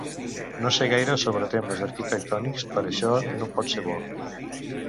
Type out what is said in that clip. No sé gaire sobre temes arquitectònics, però això no pot ser bo.